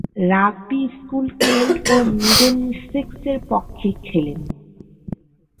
Rugby school, Kent ও মিডলসেক্সের পক্ষে খেলেন।